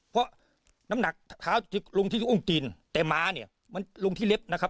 เพราะน้ำหนักขาวลงที่อุ้งตีนแต่หมาลงที่เล็บนะครับ